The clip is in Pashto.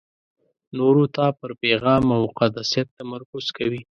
نورو ته پر پېغام او مقصدیت تمرکز کوي.